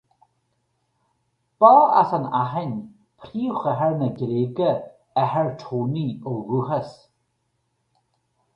Ba as an Aithin, príomhchathair na Gréige, athair Tony ó dhúchas.